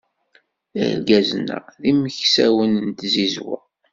Irgazen-a d imeksawen n tzizwa.